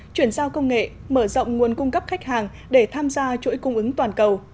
chuyển giao công nghệ mở rộng nguồn cung cấp khách hàng để tham gia chuỗi cung ứng toàn cầu